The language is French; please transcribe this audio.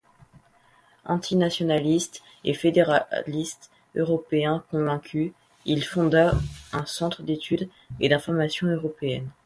Antinationaliste et fédéraliste européen convaincu, il fonda un centre d'études et d'information européennes.